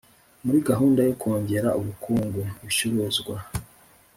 muri gahunda yo kongera ubukungu, ibicuruzwa